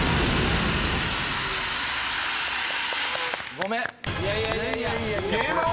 ごめん。